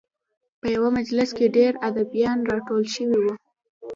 په یوه مجلس کې ډېر ادیبان راټول شوي وو.